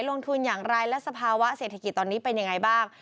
ลงทุนอย่างไรและสภาวะเศรษฐกิจตอนนี้เป็นยังไงบ้าง